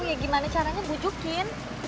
ya gimana caranya bujukin